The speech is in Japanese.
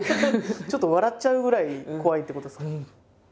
ちょっと笑っちゃうぐらい怖いってことですか。